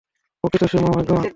প্রকৃতই সে মহাভাগ্যবান।